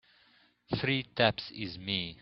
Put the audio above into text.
Three taps is me.